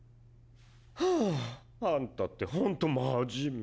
はぁあんたってホント真面目。